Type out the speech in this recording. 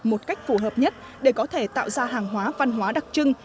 một cách phù hợp nhất để có thể tạo ra hàng hóa văn hóa đặc trưng